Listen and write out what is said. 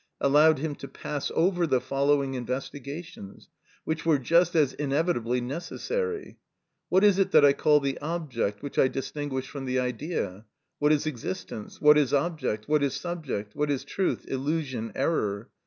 allowed him to pass over the following investigations, which were just as inevitably necessary: what is it that I call the object, which I distinguish from the idea? what is existence? what is object? what is subject? what is truth, illusion, error?